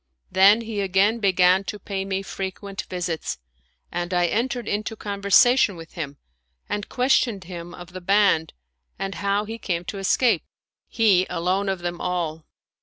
Then he again began to pay me frequent visits and I entered into conversa tion with him and questioned him of the band and how he came to escape, he alone of them all.